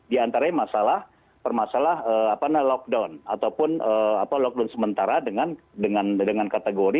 di antara masalah permasalah lockdown ataupun lockdown sementara dengan kategori